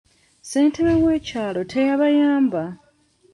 Ssentebe w'ekyalo teyabayamba.